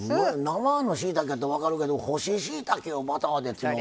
生のしいたけって分かるけど干ししいたけをバターって。